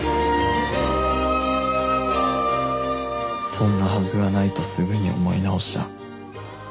そんなはずがないとすぐに思い直した